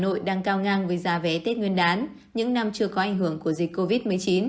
hà nội đang cao ngang với giá vé tết nguyên đán những năm chưa có ảnh hưởng của dịch covid một mươi chín